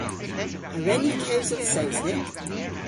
A wren ni kewsel Sowsnek?